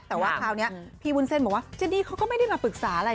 แต่ว่าคราวนี้พี่วุ้นเส้นบอกว่าเจนี่เขาก็ไม่ได้มาปรึกษาอะไร